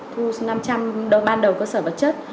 thu ban đầu cơ sở vật chất